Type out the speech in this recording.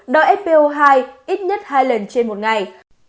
đo fpo hai ít nhất hai lần trên một ngày